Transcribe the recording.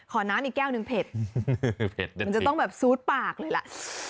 น้ำอีกแก้วหนึ่งเผ็ดมันจะต้องแบบซูดปากเลยล่ะ